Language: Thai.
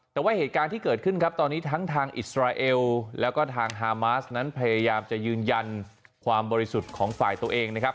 แต่ว่าเหตุการณ์ที่เกิดขึ้นครับตอนนี้ทั้งทางอิสราเอลแล้วก็ทางฮามาสนั้นพยายามจะยืนยันความบริสุทธิ์ของฝ่ายตัวเองนะครับ